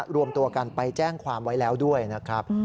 รวมตัวกันไปแจ้งความไว้แล้วด้วยนะครับ